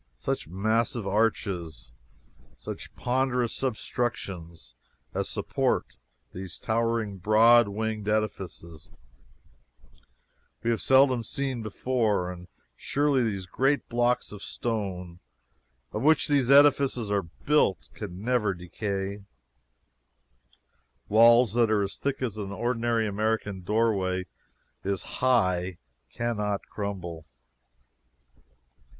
Such massive arches, such ponderous substructions as support these towering broad winged edifices, we have seldom seen before; and surely the great blocks of stone of which these edifices are built can never decay; walls that are as thick as an ordinary American doorway is high cannot crumble.